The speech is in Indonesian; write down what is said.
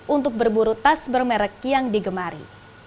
untuk berburu tas bermerek yang digemari